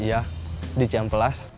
iya di campelas